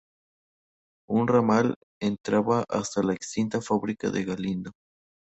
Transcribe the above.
Un ramal entraba hasta la extinta fábrica de Galindo.